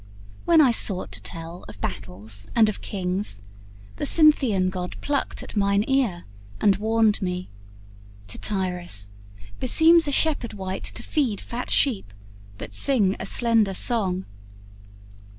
When I sought to tell Of battles and of kings, the Cynthian god Plucked at mine ear and warned me: "Tityrus, Beseems a shepherd wight to feed fat sheep, But sing a slender song."